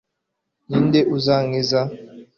ni nde uzankiza